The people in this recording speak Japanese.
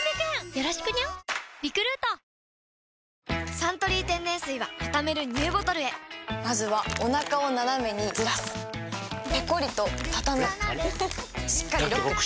「サントリー天然水」はたためるＮＥＷボトルへまずはおなかをナナメにずらすペコリ！とたたむしっかりロック！